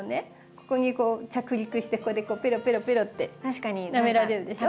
ここにこう着陸してここでペロペロってなめられるでしょ。